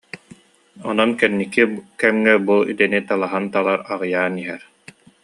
Онон кэнники кэмҥэ бу идэни талаһан талар аҕыйаан иһэр